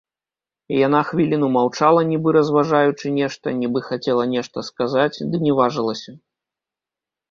Яна хвіліну маўчала, нібы разважаючы нешта, нібы хацела нешта сказаць, ды не важылася.